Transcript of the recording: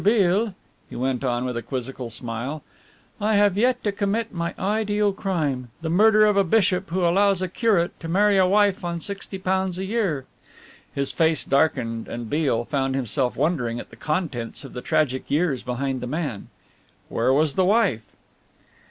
Beale," he went on with a quizzical smile, "I have yet to commit my ideal crime the murder of a bishop who allows a curate to marry a wife on sixty pounds a year." His face darkened, and Beale found himself wondering at the contents of the tragic years behind the man. Where was the wife...?